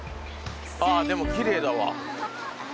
でもきれいだわ。